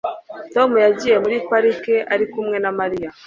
Tom yagiye muri parike ari kumwe na Mariya